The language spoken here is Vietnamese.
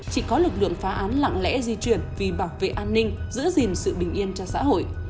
chỉ có lực lượng phá án lặng lẽ di chuyển vì bảo vệ an ninh giữ gìn sự bình yên cho xã hội